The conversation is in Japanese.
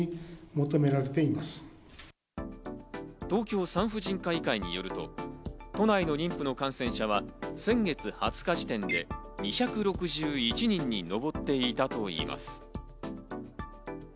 東京産婦人科医会によりますと都内の妊婦の感染者は先月２０日時点で２６１人に上っていたといいます。